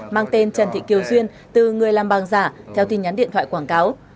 mang tên trần thị kiều duyên từ người làm băng giả theo tin nhắn điện thoại quảng cáo